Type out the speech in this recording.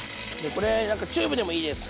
これチューブでもいいです。